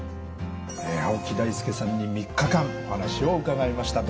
青木大輔さんに３日間お話を伺いました。